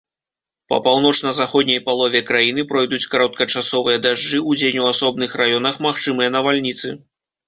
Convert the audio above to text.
Па паўночна-заходняй палове краіны пройдуць кароткачасовыя дажджы, удзень у асобных раёнах магчымыя навальніцы.